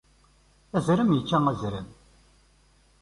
Azrem yečča azrem!